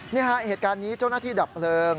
นี่ฮะเหตุการณ์นี้เจ้าหน้าที่ดับเพลิง